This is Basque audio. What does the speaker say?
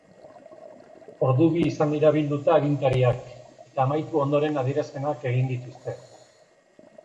Ordu bi izan dira bilduta agintariak eta amaitu ondoren adierazpenak egin dituzte.